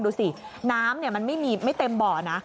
ดูสิน้ำมันไม่เต็มบ่อนะ